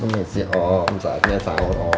permisi om saatnya sahur om